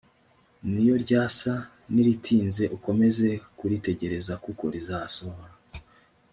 niyo ryasa n iritinze ukomeze kuritegereza kuko rizasohora